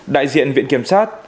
đại diện viện kiểm sát